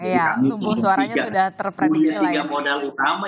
jadi kami punya tiga modal utama